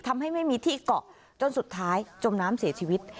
ทำให้ไม่มีที่เกาะจนสุดท้ายจมน้ำเสียชีวิต